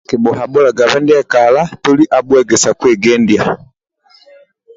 Kibhuhabhulagabe ndie kala toli abhuegesa kwegendia